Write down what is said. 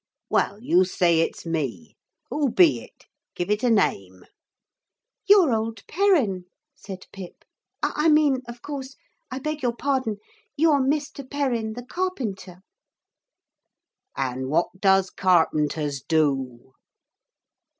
'Well, you say it's me. Who be it? Give it a name.' 'You're old Perrin,' said Pip; 'I mean, of course, I beg your pardon, you're Mr. Perrin, the carpenter.' 'And what does carpenters do?'